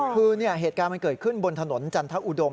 คือเหตุการณ์มันเกิดขึ้นบนถนนจันทอุดม